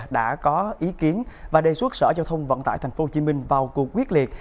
đã có ý kiến và đề xuất sở giao thông vận tải tp hcm vào cuộc quyết liệt